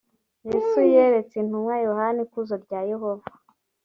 yesu yeretse intumwa yohana ikuzo rya yehova